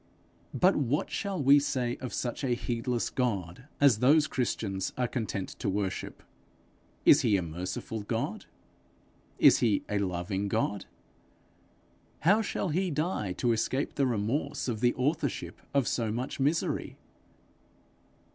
But what shall we say of such a heedless God as those Christians are content to worship! Is he a merciful God? Is he a loving God? How shall he die to escape the remorse of the authorship of so much misery?